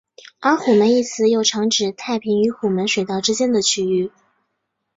而虎门一词又常指太平与虎门水道之间的区域。